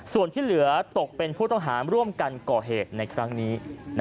ส่วนที่เหลือตกเป็นผู้ต้องหาร่วมกันก่อเหตุในครั้งนี้